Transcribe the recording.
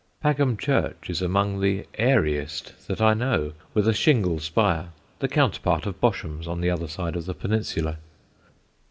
Pagham church is among the airiest that I know, with a shingle spire, the counterpart of Bosham's on the other side of the peninsula.